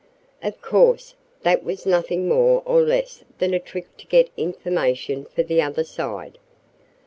Of course, that was nothing more or less than a trick to get information for the other side.